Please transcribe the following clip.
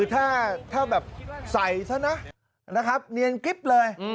ถ้าแบบใส่เท่านั้นนะครับเนียนคลิปเลย